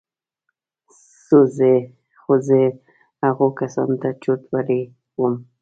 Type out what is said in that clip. خو زه هغو کسانو ته چورت وړى وم.